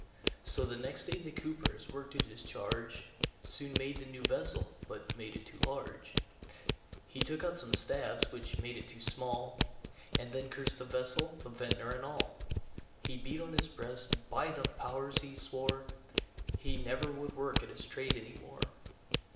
So the next day the Cooper his work to discharge, Soon made the new vessel, but made it too large; He took out some staves, which made it too small, And then cursed the vessel, the Vintner and all. He beat on his breast, "By the Powers!" he swore, He never would work at his trade any more.